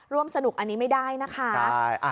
ร่วมสนุกอันนี้ไม่ได้นะคะ